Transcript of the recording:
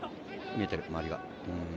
見えてる、周りが。